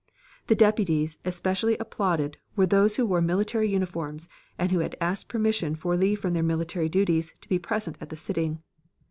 The Deputies especially applauded were those who wore military uniforms and who had asked permission for leave from their military duties to be present at the sitting.